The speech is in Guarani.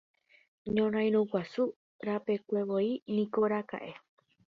Ñorairõ Guasu rapekuevoi niko raka'e.